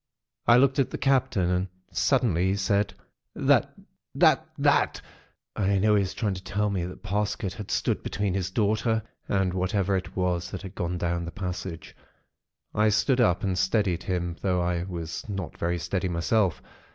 "I looked at the Captain and suddenly he said:— "'That—— That—— That——,' and I know that he was trying to tell me that Parsket had stood between his daughter and whatever it was that had gone down the passage. I stood up, and steadied him; though I was not very steady myself.